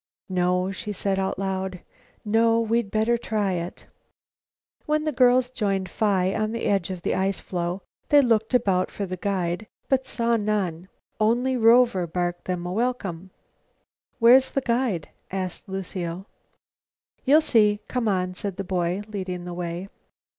"No," she said out loud, "no, we'd better try it." When the girls joined Phi on the edge of the ice floe, they looked about for the guide but saw none. Only Rover barked them a welcome. "Where's the guide?" asked Lucile. "You'll see. C'm'on," said the boy, leading the way.